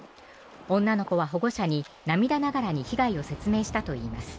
女の子は保護者に、涙ながらに被害を説明したといいます。